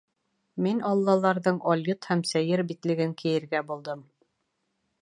Мин Аллаларҙың алйот һәм сәйер битлеген кейергә булдым.